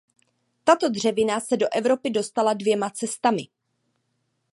Tato dřevina se do Evropy dostala dvěma cestami.